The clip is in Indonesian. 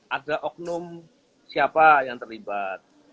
ada oknum siapa yang terlibat